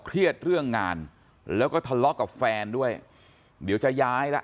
เครียดเรื่องงานแล้วก็ทะเลาะกับแฟนด้วยเดี๋ยวจะย้ายละ